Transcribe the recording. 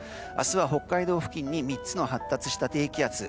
明日は北海道付近に３つの発達した低気圧。